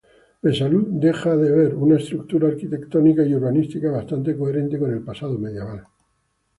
Besalú deja ver una estructura arquitectónica y urbanística bastante coherente con el pasado medieval.